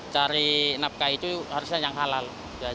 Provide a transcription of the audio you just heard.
cari napkah itu harusnya yang halal